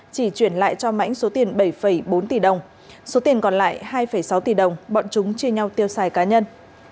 chỉ chuyển lại cho mãnh số tiền bảy bốn tỷ đồng số tiền còn lại hai sáu tỷ đồng bọn chúng chia nhau tiêu xài cá nhân